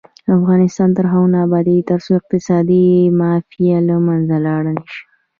افغانستان تر هغو نه ابادیږي، ترڅو اقتصادي مافیا له منځه لاړه نشي.